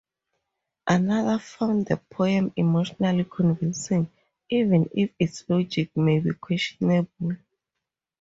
Another found the poem "emotionally convincing" even if its logic may be questionable.